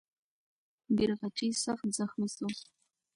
بیرغچی سخت زخمي سو.